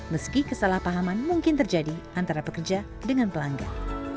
meski kesalahpahaman mungkin terjadi antara pekerja dengan pelanggan